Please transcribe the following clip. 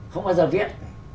không bao giờ viết